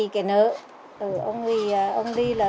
không cơm không cất